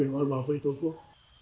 để bảo vệ tổ quốc